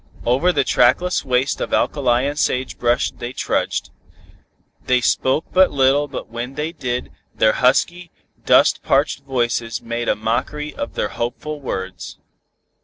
Over the trackless waste of alkali and sagebrush they trudged. They spoke but little but when they did, their husky, dust parched voices made a mockery of their hopeful words.